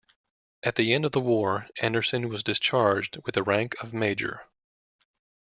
At the end of the war, Anderson was discharged with the rank of major.